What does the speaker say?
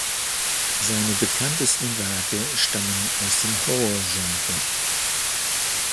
Seine bekanntesten Werke stammen aus dem Horrorgenre.